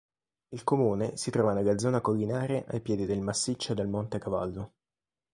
Il comune si trova nella zona collinare ai piedi del massiccio del Monte Cavallo.